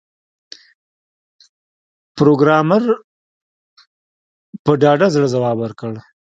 پروګرامر په ډاډه زړه ځواب ورکړ